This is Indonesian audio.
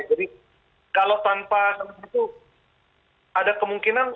jadi kalau tanpa itu ada kemungkinan